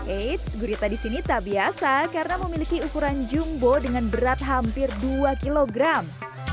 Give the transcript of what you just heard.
eits gurita di sini tak biasa karena memiliki ukuran jumbo dengan berat hampir dua kilogram